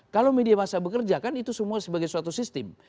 kalau media masa bekerja kan itu semua sebagai suatu sistem